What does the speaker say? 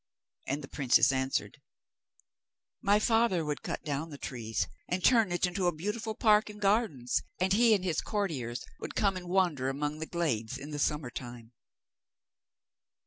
And the princess answered: 'My father would cut down the trees and turn it into a beautiful park and gardens, and he and his courtiers would come and wander among the glades in the summer time.